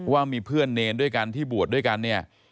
ว่ามีเพื่อนเนรด้วยกันที่บวชด้วยกันเนี่ย